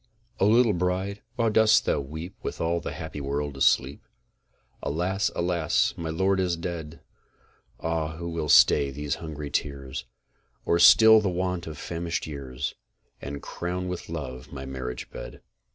O LITTLE BRIDE, WHY DOST THOU WEEP WITH ALL THE HAPPY WORLD ASLEEP? Alas! alas! my lord is dead! Ah, who will stay these hungry tears, Or still the want of famished years, And crown with love my marriage bed?